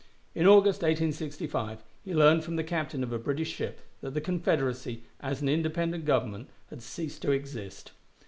In August, 1865, he learned from the captain of a British ship that the Confederacy, as an independent Government, had ceased to exist.